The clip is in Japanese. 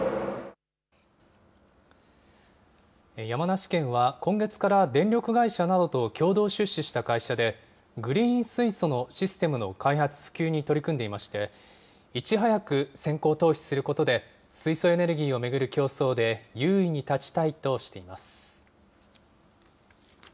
山梨県は今月から電力会社などと共同出資した会社で、グリーン水素のシステムの開発、普及に取り組んでいまして、いち早く先行投資することで、水素エネルギーを巡る競争で優位に立ちたいとしています。